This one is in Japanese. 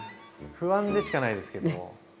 不安でしかないですけども。